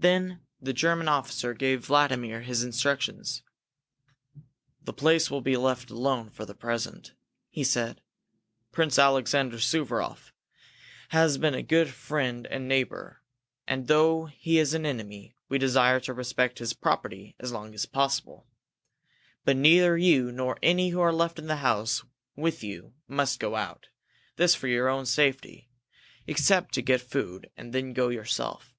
Then the German officer gave Vladimir his instructions. "This place will be left alone for the present," he said. "Prince Alexander Suvaroff has been a good friend and neighbor, and, though he is an enemy, we desire to respect his property as long as possible. But neither you nor any who are left in the house with you must go out this for your own safety except to get food and then go yourself."